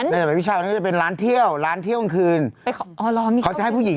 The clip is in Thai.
ในภายพิชาวนี้ก็จะเป็นร้านเที่ยวร้านเที่ยวกลางคืน